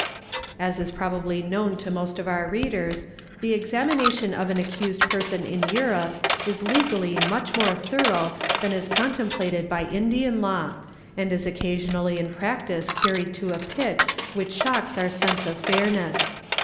As is probably known to most of our readers, the examination of an ' ccused person in Kurope is legally much more thorough than is con emplated by Indian Law, and is occasionally in practice carried to a "pitch which shocks our sense of fairness.